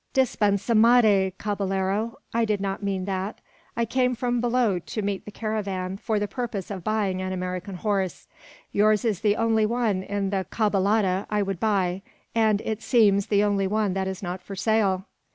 "Dispensadme, caballero! I did not mean that. I came from below to meet the caravan, for the purpose of buying an American horse. Yours is the only one in the caballada I would buy, and, it seems, the only one that is not for sale!"